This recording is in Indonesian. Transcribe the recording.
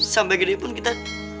sampai gini pun kita